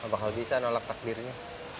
bakal bisa nolak takdirnya